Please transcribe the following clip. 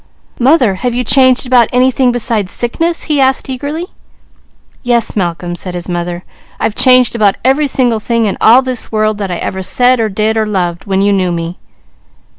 "Mother, have you changed about anything besides sickness?" he asked eagerly. "Yes Malcolm," said his mother. "I've changed about every single thing in all this world that I ever said, or did, or loved, when you knew me."